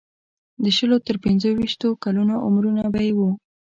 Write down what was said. د شلو تر پنځه ویشتو کلونو عمرونه به یې وو.